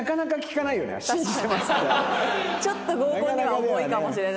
ちょっと合コンには重いかもしれない。